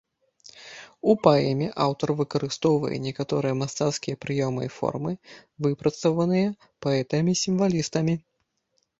У паэме аўтар выкарыстоўвае некаторыя мастацкія прыёмы і формы, выпрацаваныя паэтамі-сімвалістамі.